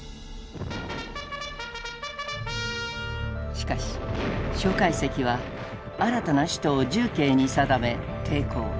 しかし蒋介石は新たな首都を重慶に定め抵抗。